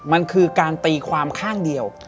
มันคือการตีความข้างเดียว